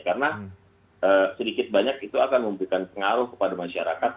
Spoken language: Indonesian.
karena sedikit banyak itu akan memberikan pengaruh kepada masyarakat